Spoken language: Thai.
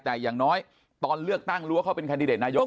แต่อย่างน้อยตอนเลือกตั้งรู้ว่าเขาเป็นแคนดิเดตนายก